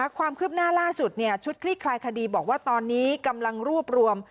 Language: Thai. ความคืบหน้าล่าสุดชุดคลี่คลายคดีบอกว่าตอนนี้กำลังรวบรวม